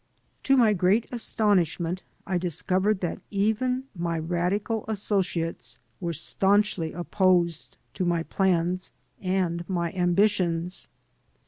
To my great astonishment, I discovered that even my radical assodates were stanchly opposed to my plans and my ambitions.